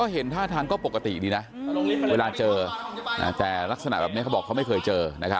เห็นท่าทานก็ปกติดีนะเวลาเจอ